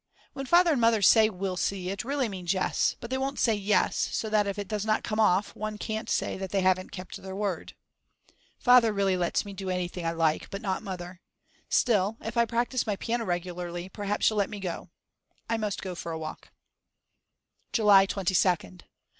When Father and Mother say We'll see it really means Yes; but they won't say "yes" so that if it does not come off one can't say that they haven't kept their word. Father really lets me do anything I like, but not Mother. Still, if I practice my piano regularly perhaps she'll let me go. I must go for a walk. July 22nd.